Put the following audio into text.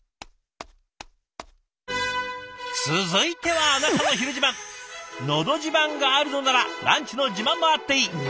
続いては「のど自慢」があるのならランチの自慢もあっていい！